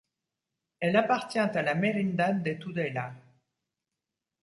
Elle appartient à la Merindad de Tudela.